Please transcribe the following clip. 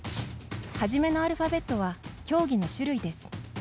はじめのアルファベットは競技の種類です。